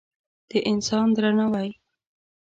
د انسان درناوی